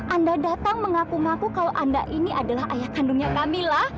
anda datang mengaku ngaku kalau anda ini adalah ayah kandungnya kamila